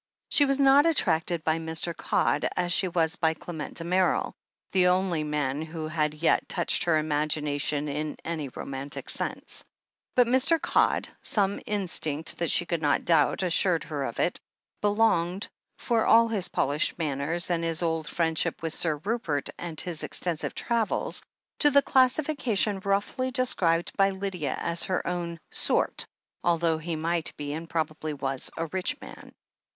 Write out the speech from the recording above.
She was not attracted by Mr. Codd as she was by Qement Damerel, the only man who had yet touched her imagination in any romantic sense. But Mr. Codd — ^some instinct that she could not doubt assured her of it — ^belonged, for all his polished manners, and his old friendship with Sir Rupert and his extensive travels, to the classification roughly described by Lydia as her own "sort," although he might be, and probably was, a rich man.